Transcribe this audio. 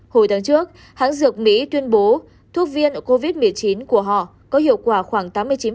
hồi tháng trước hãng dược mỹ tuyên bố thuốc viêm ở covid một mươi chín của họ có hiệu quả khoảng tám mươi chín